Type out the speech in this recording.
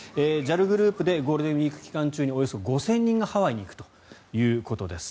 ＪＡＬグループでゴールデンウィーク期間中におよそ５０００人がハワイに行くということです。